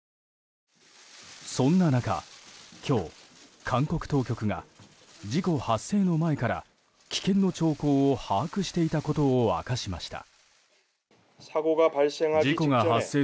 そんな中、今日韓国当局が事故発生の前から危険の兆候を把握していたことを明かしました。